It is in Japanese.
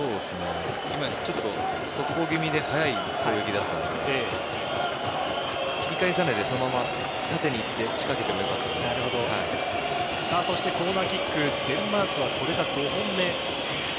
今、速攻気味で速い攻撃だったので切り返さないでそのまま縦に行ってそしてコーナーキックデンマークはこれが５本目。